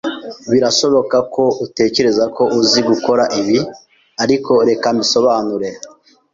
Birashoboka ko utekereza ko uzi gukora ibi, ariko reka mbisobanure.